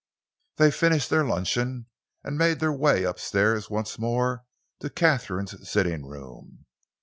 They finished their luncheon and made their way up stairs once more to Katharine's sitting room.